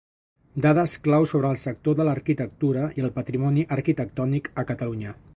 Dades clau sobre el sector de l'arquitectura i el patrimoni arquitectònic a Catalunya.